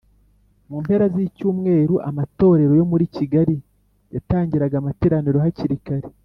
Mu mpera z’icyumweru amatorero yo muri Kigali yatangiraga amateraniro hakiri kare